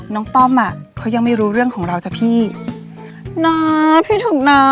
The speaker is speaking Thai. ต้อมอ่ะเขายังไม่รู้เรื่องของเราจ้ะพี่น้องพี่ถูกนะ